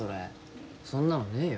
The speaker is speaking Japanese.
そんなのねえよ。